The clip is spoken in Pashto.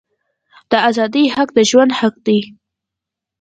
د آزادی حق د ژوند حق دی.